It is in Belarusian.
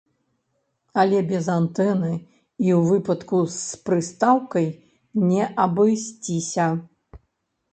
Але без антэны і ў выпадку з прыстаўкай не абысціся.